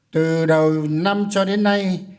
từ đầu năm cho đến nay